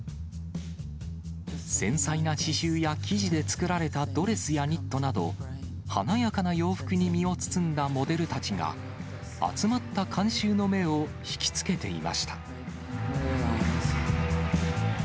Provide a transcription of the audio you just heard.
繊細な刺しゅうや生地で作られたドレスやニットなど、華やかな洋服に身を包んだモデルたちが、集まった観衆の目をひきつけていました。